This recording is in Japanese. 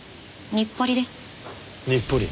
日暮里。